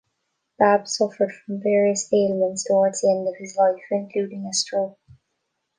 Babb suffered from various ailments toward the end of his life, including a stroke.